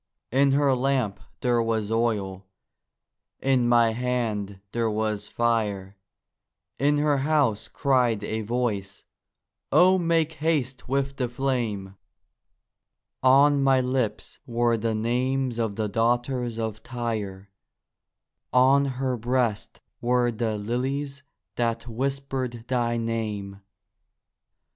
In her lamp there was oil, in my hand there was fire; In her house cried a voice, 'O make haste with the flame!' On my lips were the names of the daughters of Tyre, On her breast were the lilies that whispered thy name.